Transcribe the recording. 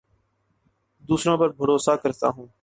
دوسروں پر بھروسہ کرتا ہوں